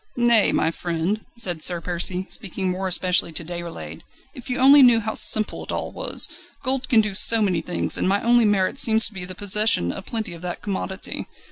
"Nay, my friend," said Sir Percy, speaking more especially to Déroulède; "if you only knew how simple it all was! Gold can do so many things, and my only merit seems to be the possession of plenty of that commodity.